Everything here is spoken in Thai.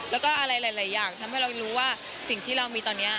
แล้วก็อะไรหลายอย่างทำให้เรารู้ว่าสิ่งที่เรามีตอนนี้